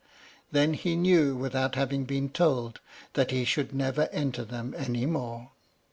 Then he knew, without having been told, that he should never enter them any more.